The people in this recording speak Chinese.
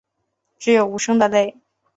只有无声的泪